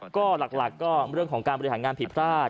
ก็หลักก็เรื่องของการบริหารงานผิดพลาด